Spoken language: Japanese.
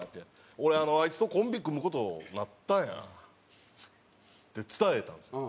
「俺あいつとコンビ組む事になったんや」って伝えたんですよ。